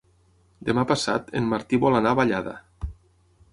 Demà passat en Martí vol anar a Vallada.